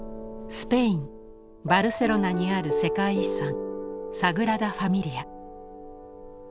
スペインバルセロナにある世界遺産サグラダ・ファミリア。